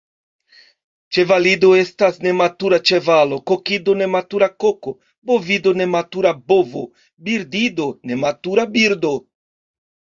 Ĉevalido estas nematura ĉevalo, kokido nematura koko, bovido nematura bovo, birdido nematura birdo.